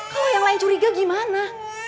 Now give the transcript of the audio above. kalau yang lain curiga gimana